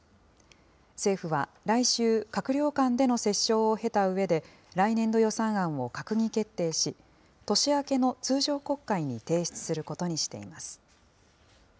政府は来週、閣僚間での折衝を経たうえで、来年度予算案を閣議決定し、年明けの通常国会に提出することにしています。